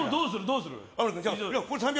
どうする？